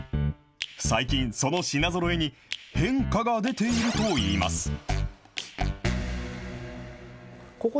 最近、その品ぞろえに変化が出ているといいます。